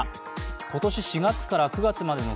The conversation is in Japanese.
今年４月から９月までの